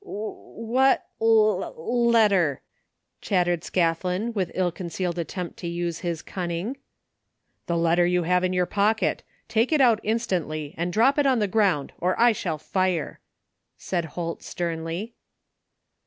'*" W what 1 let tt ter?'' chattered Scathlin with ill concealed attempt to use his cimning. 182 THE FINDING OF JASPEE HOLT " The letter you have in your pocket. Take it out instantly and drop it on the ground or I shall fire," said Holt sternly.